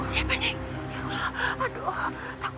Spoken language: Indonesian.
istirahat dulu mau bu